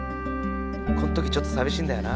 こん時ちょっと寂しいんだよな。